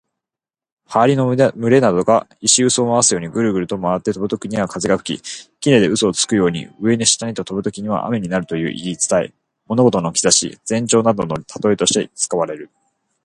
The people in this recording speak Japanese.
羽蟻の群れなどが石臼を回すようにぐるぐると回って飛ぶときには風が吹き、杵で臼をつくように、上に下にと飛ぶときには雨になるという言い伝え。物事の兆し、前兆などの例えとして使われる。